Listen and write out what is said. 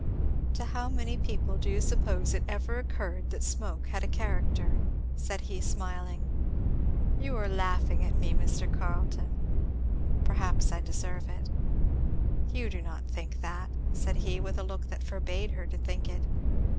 "To how many people do you suppose it ever occurred that smoke had a character?" said he smiling. "You are laughing at me, Mr. Carleton? perhaps I deserve it." "You do not think that," said he with a look that forbade her to think it.